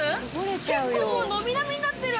結構もうなみなみになってる。